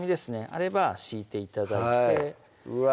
あれば敷いて頂いてうわ